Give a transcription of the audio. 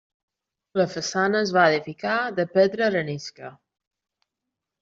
La façana es va edificar de pedra arenisca.